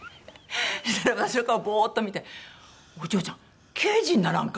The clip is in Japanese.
そしたら私の顔ボーッと見て「お嬢ちゃん刑事にならんか？」